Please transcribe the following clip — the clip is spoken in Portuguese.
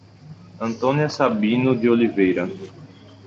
Antônia Sabino de Oliveira